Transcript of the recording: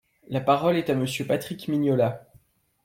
La parole est à Monsieur Patrick Mignola.